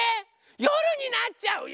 よるになっちゃうよ！